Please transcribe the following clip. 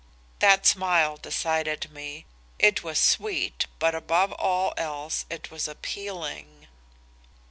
That smile decided me. It was sweet but above all else it was appealing.